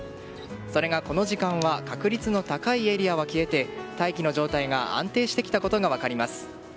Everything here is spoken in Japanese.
それがこの時間は確率の高いエリアは消えて大気の状態が安定してきたことが分かります。